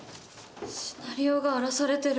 シナリオが荒らされてる。